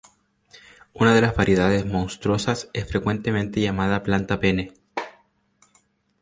Una de las variedades monstruosas es frecuentemente llamada planta pene.